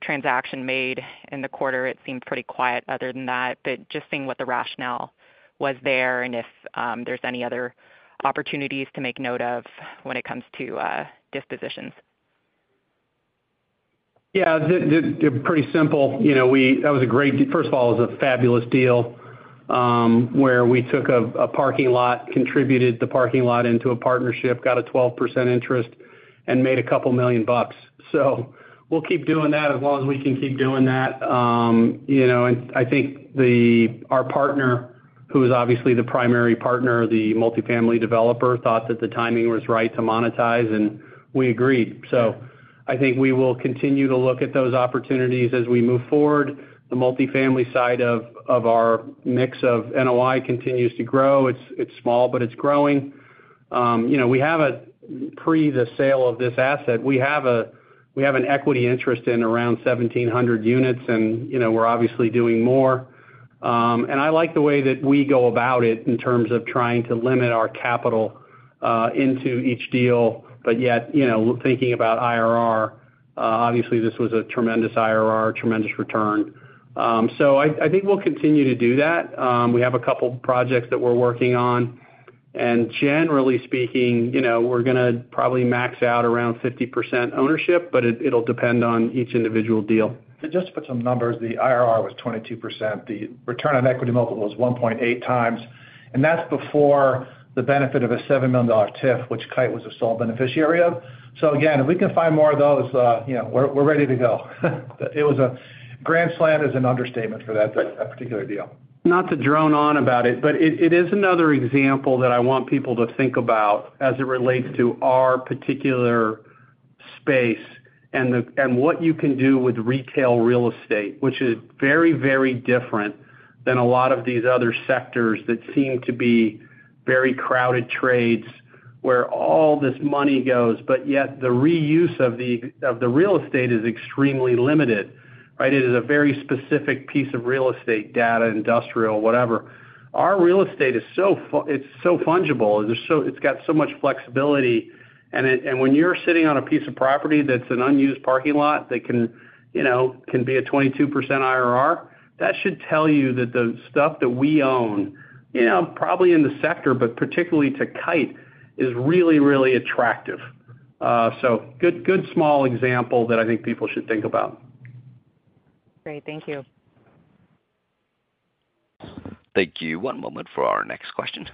transaction made in the quarter. It seemed pretty quiet other than that, but just seeing what the rationale was there, and if there's any other opportunities to make note of when it comes to dispositions. Yeah, pretty simple. You know, that was a great first of all, it was a fabulous deal, where we took a parking lot, contributed the parking lot into a partnership, got a 12% interest, and made $2 million. So we'll keep doing that as long as we can keep doing that. You know, and I think our partner, who is obviously the primary partner, the multifamily developer, thought that the timing was right to monetize, and we agreed. So I think we will continue to look at those opportunities as we move forward. The multifamily side of our mix of NOI continues to grow. It's small, but it's growing. You know, we have a to the sale of this asset, we have an equity interest in around 1,700 units, and, you know, we're obviously doing more. And I like the way that we go about it in terms of trying to limit our capital into each deal, but yet, you know, thinking about IRR, obviously, this was a tremendous IRR, tremendous return. So I think we'll continue to do that. We have a couple projects that we're working on, and generally speaking, you know, we're gonna probably max out around 50% ownership, but it'll depend on each individual deal. Just to put some numbers, the IRR was 22%. The return on equity multiple was 1.8x, and that's before the benefit of a $7 million TIF, which Kite was the sole beneficiary of. So again, if we can find more of those, you know, we're ready to go. It was a grand slam is an understatement for that particular deal. Not to drone on about it, but it is another example that I want people to think about as it relates to our particular space and what you can do with retail real estate, which is very, very different than a lot of these other sectors that seem to be very crowded trades, where all this money goes, but yet the reuse of the real estate is extremely limited, right? It is a very specific piece of real estate, data, industrial, whatever. Our real estate is so fungible, it's got so much flexibility, and it when you're sitting on a piece of property that's an unused parking lot, that can, you know, can be a 22% IRR, that should tell you that the stuff that we own, you know, probably in the sector, but particularly to Kite, is really, really attractive. So good, good small example that I think people should think about. Great. Thank you. Thank you. One moment for our next question.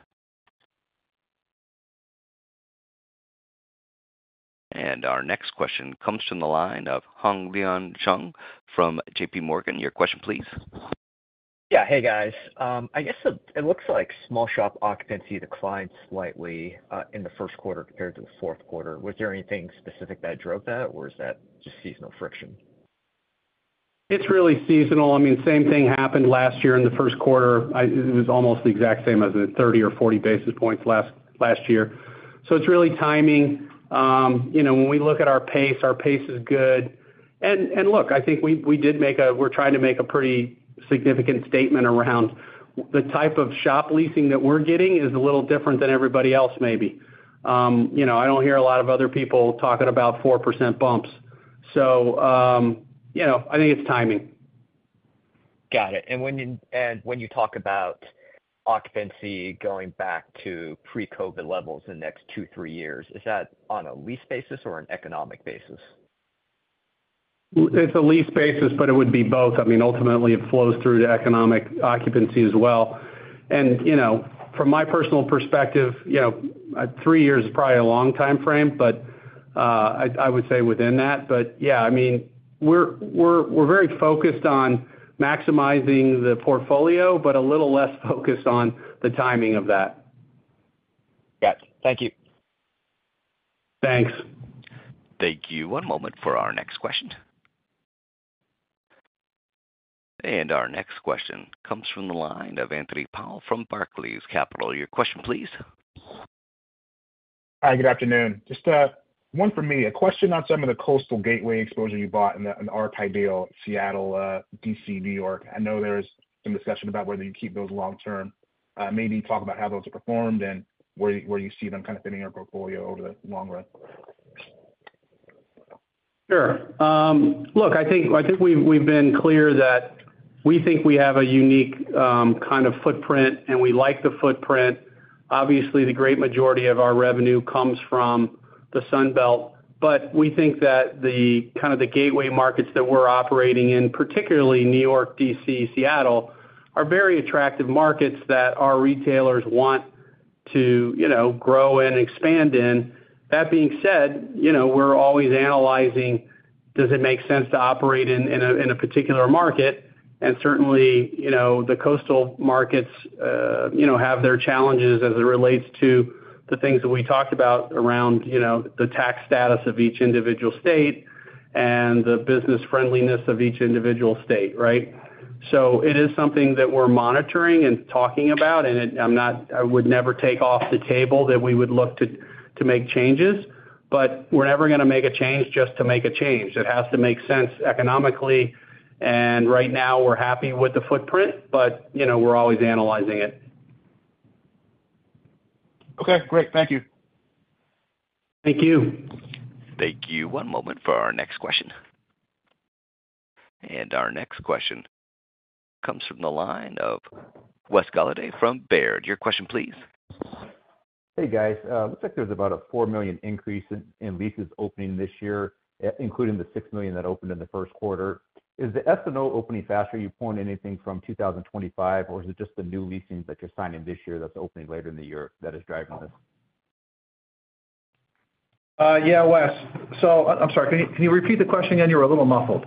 And our next question comes from the line of Hongliang Zhang from JPMorgan. Your question, please. Yeah. Hey, guys. I guess it looks like small shop occupancy declined slightly in the first quarter compared to the fourth quarter. Was there anything specific that drove that, or is that just seasonal friction? It's really seasonal. I mean, same thing happened last year in the first quarter. It was almost the exact same as it, 30 or 40 basis points last year. So it's really timing. You know, when we look at our pace, our pace is good. And look, I think we did make, we're trying to make a pretty significant statement around the type of shop leasing that we're getting is a little different than everybody else, maybe. You know, I don't hear a lot of other people talking about 4% bumps. So, you know, I think it's timing. Got it. And when you talk about occupancy going back to pre-COVID levels the next two-three years, is that on a lease basis or an economic basis? It's a lease basis, but it would be both. I mean, ultimately, it flows through the economic occupancy as well. And, you know, from my personal perspective, you know, three years is probably a long time frame, but I would say within that. But, yeah, I mean, we're very focused on maximizing the portfolio, but a little less focused on the timing of that. Got you. Thank you. Thanks. Thank you. One moment for our next question. Our next question comes from the line of Anthony Powell from Barclays Capital. Your question, please. Hi, good afternoon. Just one for me, a question on some of the coastal gateway exposure you bought in the, in RPAI deal, Seattle, D.C., New York. I know there's been discussion about whether you keep those long term. Maybe talk about how those are performed and where, where you see them kind of fitting your portfolio over the long run. Sure. Look, I think, I think we've, we've been clear that we think we have a unique kind of footprint, and we like the footprint. Obviously, the great majority of our revenue comes from the Sun Belt, but we think that the kind of the gateway markets that we're operating in, particularly New York, D.C., Seattle, are very attractive markets that our retailers want to, you know, grow and expand in. That being said, you know, we're always analyzing, does it make sense to operate in, in a, in a particular market? And certainly, you know, the coastal markets, you know, have their challenges as it relates to the things that we talked about around, you know, the tax status of each individual state and the business friendliness of each individual state, right? So it is something that we're monitoring and talking about, and it. I'm not, I would never take off the table that we would look to make changes, but we're never gonna make a change just to make a change. It has to make sense economically, and right now, we're happy with the footprint, but, you know, we're always analyzing it. Okay, great. Thank you. Thank you. Thank you. One moment for our next question. Our next question comes from the line of Wes Golladay from Baird. Your question, please. Hey, guys. Looks like there's about a $4 million increase in leases opening this year, including the $6 million that opened in the first quarter. Is the SNO opening faster? You pull anything from 2025, or is it just the new leasing that you're signing this year that's opening later in the year that is driving this? Yeah, Wes. So, I'm sorry, can you, can you repeat the question again? You're a little muffled.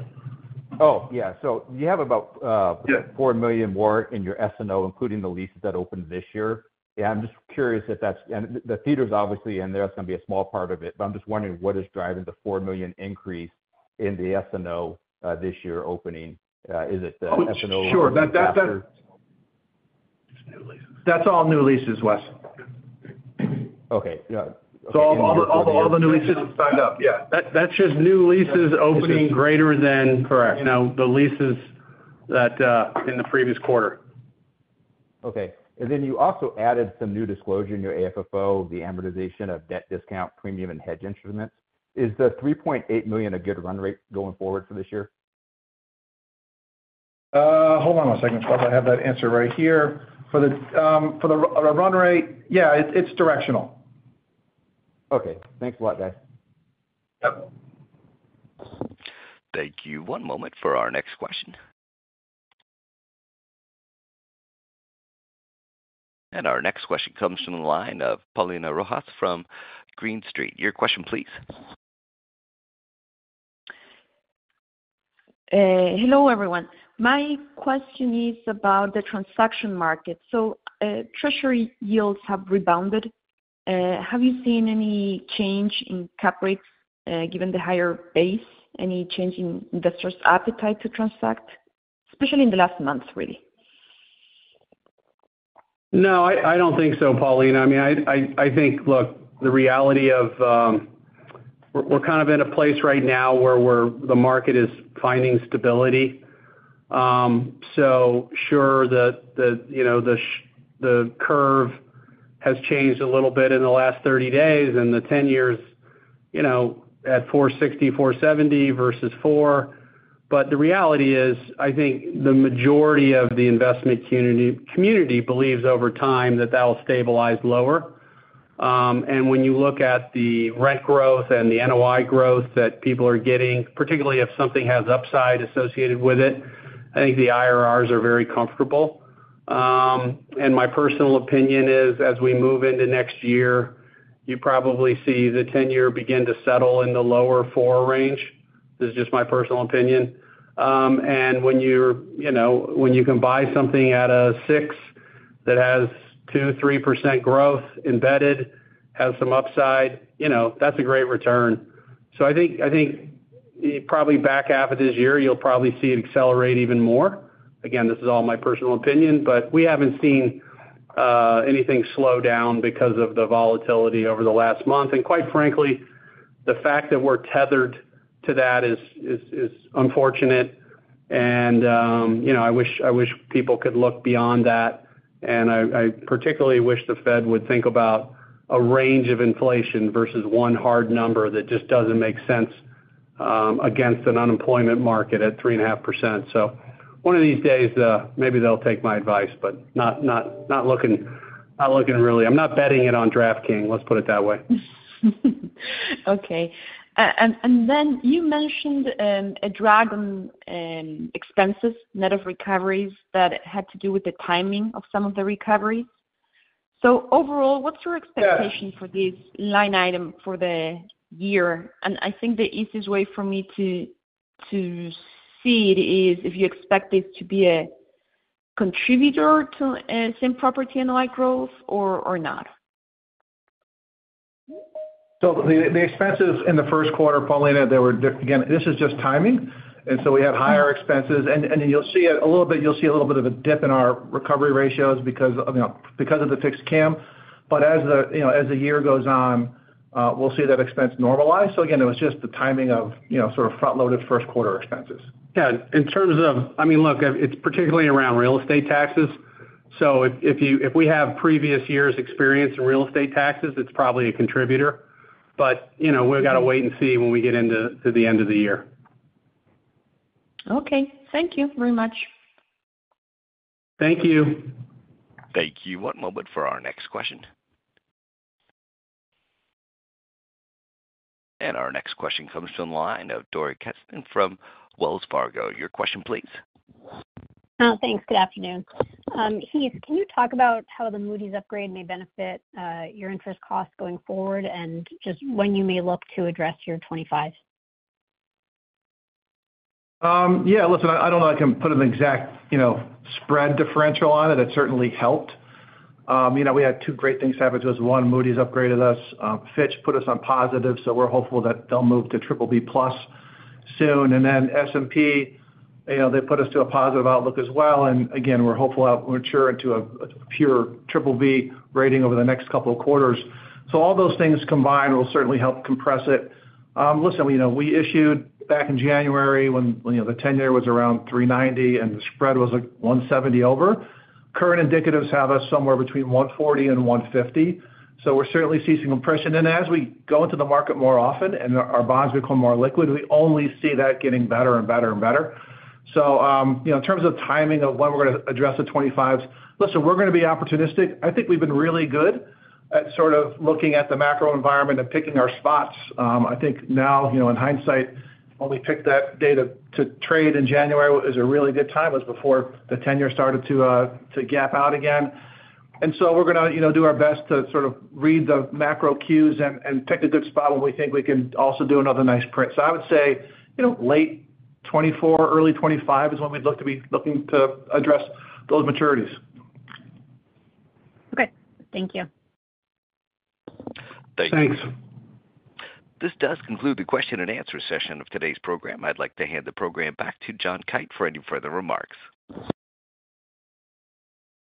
Oh, yeah. So you have about, Yeah $4 million more in your SNO, including the leases that opened this year. Yeah, I'm just curious if that' and the, the theaters, obviously, and that's gonna be a small part of it, but I'm just wondering what is driving the $4 million increase in the SNO this year opening? Is it the SNO? Sure. That, That's all new leases, Wes. Okay. Yeah. So all the new leases are signed up. Yeah, that's just new leases opening greater than Correct you know, the leases that in the previous quarter. Okay. And then you also added some new disclosure in your AFFO, the amortization of debt discount, premium and hedge instruments. Is the $3.8 million a good run rate going forward for this year? Hold on one second, Wes. I have that answer right here. For the run rate, yeah, it's, it's directional. Okay. Thanks a lot, guys. Yep. Thank you. One moment for our next question. And our next question comes from the line of Paulina Rojas from Green Street. Your question, please. Hello, everyone. My question is about the transaction market. So, treasury yields have rebounded. Have you seen any change in cap rates, given the higher base, any change in investors' appetite to transact, especially in the last month, really? No, I, I don't think so, Paulina. I mean, I think, look, the reality of. We're kind of in a place right now where were the market is finding stability. So sure, the, you know, the curve has changed a little bit in the last 30 days, and the 10-year, you know, at 4.60, 4.70 versus four. But the reality is, I think the majority of the investment community believes over time that that will stabilize lower. And when you look at the rent growth and the NOI growth that people are getting, particularly if something has upside associated with it, I think the IRRs are very comfortable. And my personal opinion is, as we move into next year, you probably see the ten-year begin to settle in the lower four range. This is just my personal opinion. And when you're, you know, when you can buy something at a six that has 2-3% growth embedded, has some upside, you know, that's a great return. So I think probably back half of this year, you'll probably see it accelerate even more. Again, this is all my personal opinion, but we haven't seen anything slow down because of the volatility over the last month. And quite frankly, the fact that we're tethered to that is unfortunate. And, you know, I wish, I wish people could look beyond that, and I, I particularly wish the Fed would think about a range of inflation versus one hard number that just doesn't make sense, against an unemployment market at 3.5%. So one of these days, maybe they'll take my advice, but not, not, not looking, not looking really, I'm not betting it on DraftKings, let's put it that way. Okay. And then you mentioned a drag on expenses net of recoveries that had to do with the timing of some of the recoveries. So overall, what's your expectation for this line item for the year? And I think the easiest way for me to see it is if you expect it to be a contributor to same-property and like growth, or not? So the expenses in the first quarter, Paulina, they were again, this is just timing, and so we had higher expenses. And you'll see it a little bit, you'll see a little bit of a dip in our recovery ratios because, you know, because of the fixed CAM. But as the, you know, as the year goes on, we'll see that expense normalize. So again, it was just the timing of, you know, sort of front-loaded first quarter expenses. Yeah, in terms of I mean, look, it's particularly around real estate taxes. So if we have previous years' experience in real estate taxes, it's probably a contributor. But, you know, we've got to wait and see when we get into the end of the year. Okay. Thank you very much. Thank you. Thank you. One moment for our next question. Our next question comes from the line of Dori Kesten from Wells Fargo. Your question please. Thanks. Good afternoon. Heath, can you talk about how the Moody's upgrade may benefit your interest costs going forward, and just when you may look to address your 25s? Yeah, listen, I don't know I can put an exact, you know, spread differential on it. It certainly helped. You know, we had two great things happen to us: one, Moody's upgraded us, Fitch put us on positive, so we're hopeful that they'll move to BBB+ soon. And then S&P, you know, they put us to a positive outlook as well, and again, we're hopeful that we'll mature into a pure BBB rating over the next couple of quarters. So all those things combined will certainly help compress it. Listen, you know, we issued back in January when, you know, the ten-year was around 3.90 and the spread was, like, 170 over. Current indicatives have us somewhere between 140 and 150, so we're certainly seeing some compression. As we go into the market more often and our bonds become more liquid, we only see that getting better and better and better. So, you know, in terms of timing of when we're going to address the 25s, listen, we're going to be opportunistic. I think we've been really good at sort of looking at the macro environment and picking our spots. I think now, you know, in hindsight, when we picked that day to, to trade in January was a really good time. It was before the ten-year started to, to gap out again. And so we're going to, you know, do our best to sort of read the macro cues and, and pick a good spot when we think we can also do another nice print. So I would say, you know, late 2024, early 2025 is when we'd look to be looking to address those maturities. Okay. Thank you. Thank you. Thanks. This does conclude the question and answer session of today's program. I'd like to hand the program back to John Kite for any further remarks.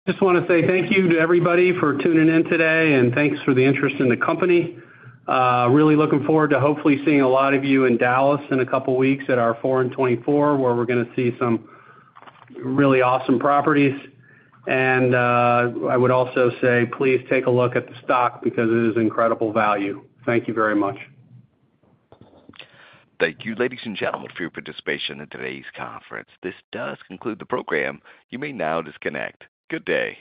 Just want to say thank you to everybody for tuning in today, and thanks for the interest in the company. Really looking forward to hopefully seeing a lot of you in Dallas in a couple of weeks at our Four in 24, where we're going to see some really awesome properties. I would also say, please take a look at the stock because it is incredible value. Thank you very much. Thank you, ladies and gentlemen, for your participation in today's conference. This does conclude the program. You may now disconnect. Good day!